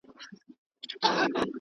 د کار فشار زما د سر ویښتان سپین کړي دي.